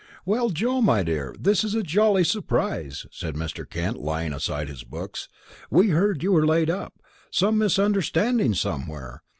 "Well, Joe, my dear, this is a jolly surprise," said Mr. Kent, laying aside his books. "We heard you were laid up. Some misunderstanding somewhere.